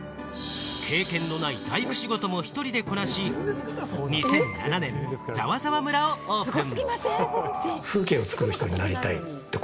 経験のない大工仕事も１人でこなし、２００７年、ザワザワ村をオープン。